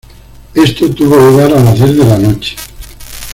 Esto tuvo lugar a las diez de la noche.